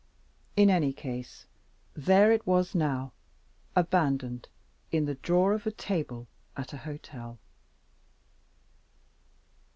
In any case, there it was now, abandoned in the drawer of a table at a hotel.